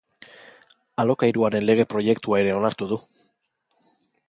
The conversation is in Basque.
Alokairuaren lege-proiektua ere onartu du.